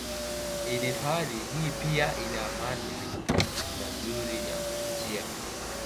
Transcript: Hifadhi hii pia ina mandhari mazuri ya kuvutia